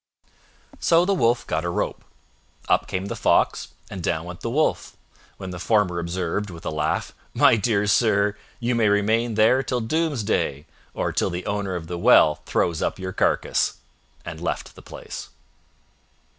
So the Wolf got a rope. Up came the Fox and down went the wo1f, when the former observed, with a laugh, "My dear sir, you may remain there till doomsday, or till the owner of the well throws up your carcass," and left the place.